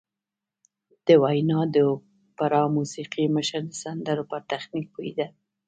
د ویانا د اوپرا موسیقي مشر د سندرو پر تخنیک پوهېده